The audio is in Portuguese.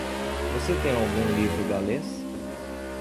Você tem algum livro galês?